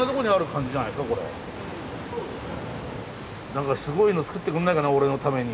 何かすごいの作ってくれないかな俺のために。